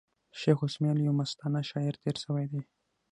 شېخ اسماعیل یو مستانه شاعر تېر سوﺉ دﺉ.